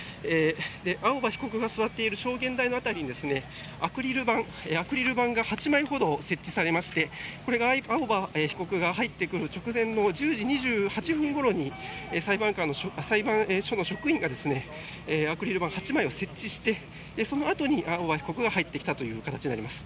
青葉被告が座っている証言台の辺りにアクリル板が８枚ほど設置されましてこれが青葉被告が入ってくる直前の１０時２８分ごろに裁判所の職員がアクリル板８枚を設置してそのあとに青葉被告が入ってきたという形になります。